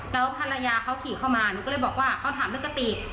แล้วภรรยาเขาขี่เข้ามาหนูก็เลยบอกว่าเขาถามเรื่องกะติก